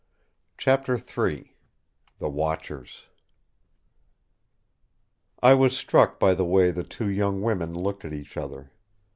Chapter III The Watchers I was struck by the way the two young women looked at each other.